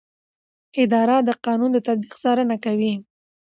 اداره د قانون د تطبیق څارنه کوي.